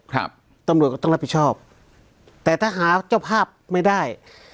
ครับตำรวจก็ต้องรับผิดชอบแต่ถ้าหาเจ้าภาพไม่ได้